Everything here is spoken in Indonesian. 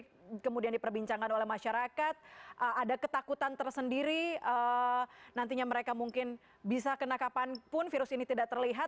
ini kemudian diperbincangkan oleh masyarakat ada ketakutan tersendiri nantinya mereka mungkin bisa kena kapanpun virus ini tidak terlihat